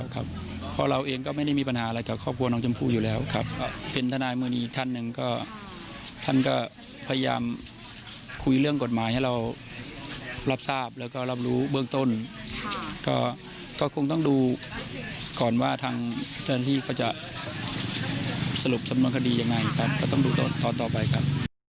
ครับเพราะเราเองก็ไม่ได้มีปัญหาอะไรกับครอบครัวน้องชมพู่อยู่แล้วครับเป็นทนายมือนี้ท่านหนึ่งก็ท่านก็พยายามคุยเรื่องกฎหมายให้เรารับทราบแล้วก็รับรู้เบื้องต้นก็คงต้องดูก่อนว่าทางเจ้าหน้าที่เขาจะสรุปสำนวนคดียังไงครับก็ต้องดูต่อไปครับ